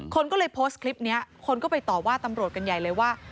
คนก็เลยโพสต์คลิปนี้คนก็ไปต่อว่าตำรวจกันใหญ่เลยว่า